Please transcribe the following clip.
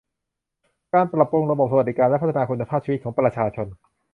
การปรับปรุงระบบสวัสดิการและพัฒนาคุณภาพชีวิตของประชาชน